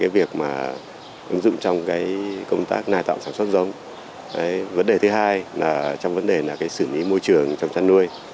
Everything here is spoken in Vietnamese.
vấn đề thứ hai là trong vấn đề sử lý môi trường trong chăn nuôi